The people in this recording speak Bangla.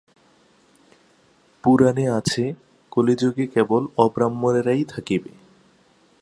পুরাণে আছে, কলিযুগে কেবল অব্রাহ্মণেরাই থাকিবে।